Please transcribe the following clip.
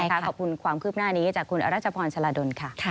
ขอบคุณความคืบหน้านี้จากคุณอรัชพรชลาดลค่ะ